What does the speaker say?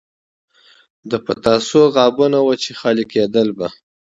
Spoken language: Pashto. د پتاسو غابونه وو چې خالي کېدل به.